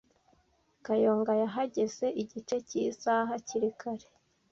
Kayonga yahageze igice cy'isaha hakiri kare.